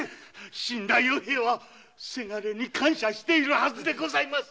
死んだ与兵衛はせがれに感謝しているはずです。